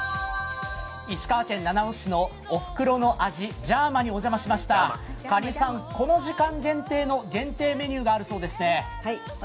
石川県七尾市のおふくろの味・じゃまに来ています蠏さん、この時間限定の限定メニューがあるそうですね。